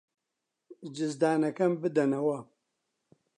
جزدانەکەم بدەنەوە.